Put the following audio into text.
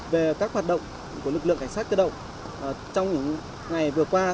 về các hoạt động của lực lượng cảnh sát cơ động trong những ngày vừa qua